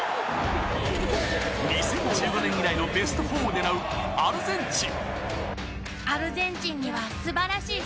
２０１５年以来のベスト４を狙うアルゼンチン。